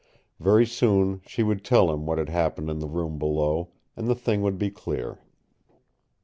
Very soon she would tell him what had happened in the room below, and the thing would be clear.